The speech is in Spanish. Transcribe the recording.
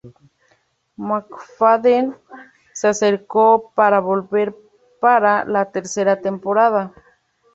McFadden se acercó para volver para la tercera temporada.